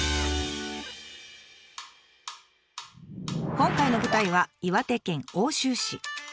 今回の舞台は岩手県奥州市。